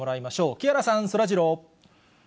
木原さん、そらジロー。